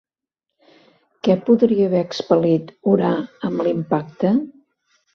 Què podria haver expel·lit Urà amb l'impacte?